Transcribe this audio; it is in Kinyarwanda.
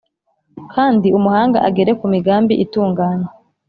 kandi umuhanga agere ku migambi itunganye